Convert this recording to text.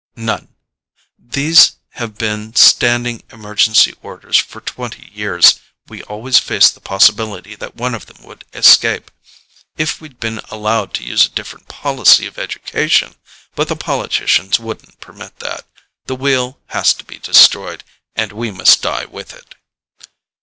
"None. These have been standing emergency orders for twenty years. We always faced the possibility that one of them would escape. If we'd been allowed to use a different policy of education but the politicians wouldn't permit that. The Wheel has to be destroyed, and we must die with it."